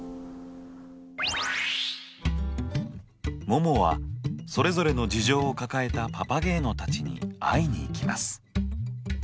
ももはそれぞれの事情を抱えたパパゲーノたちに会いに行きます。